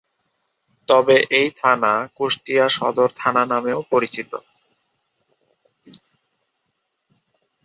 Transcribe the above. তবে এই থানা কুষ্টিয়া সদর থানা নামেও পরিচিত।